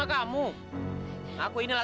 aku inilah temanmu yang berhutang dengan kamu